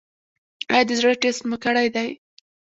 ایا د زړه ټسټ مو کړی دی؟